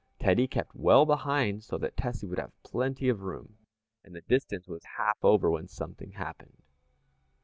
Teddy kept well behind so that Tessie would have plenty of room, and the distance was half over, when something happened.